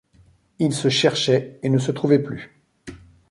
Il se cherchait et ne se trouvait plus.